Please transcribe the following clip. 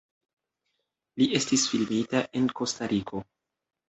Li estis filmita en Kostariko.